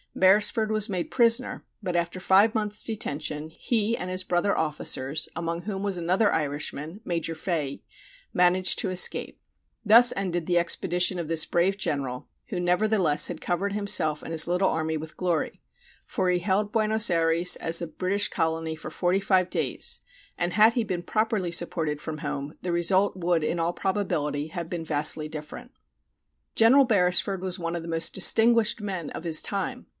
Beresford was made prisoner, but after five months' detention he and his brother officers, among whom was another Irishman, Major Fahy, managed to escape. Thus ended the expedition of this brave general, who nevertheless had covered himself and his little army with glory, for he held Buenos Ayres as a British colony for 45 days, and had he been properly supported from home the result would in all probability have been vastly different. General Beresford was one of the most distinguished men of his time.